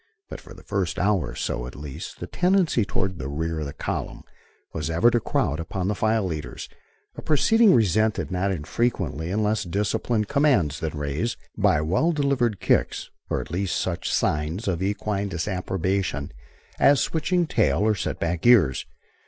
But, for the first hour or so, at least, the tendency toward the rear of column was ever to crowd upon the file leaders, a proceeding resented, not infrequently, in less disciplined commands than Ray's, by well delivered kicks, or at least such signs of equine disapprobation as switching tail or set back ears.